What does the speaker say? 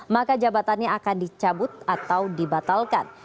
maka jabatannya akan dicabut atau dibatalkan